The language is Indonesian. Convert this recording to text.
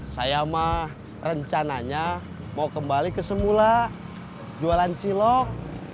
saya mah rencananya mau kembali ke semula jualan cilok